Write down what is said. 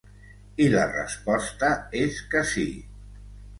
I la resposta és que sí.